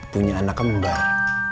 punya anak kembar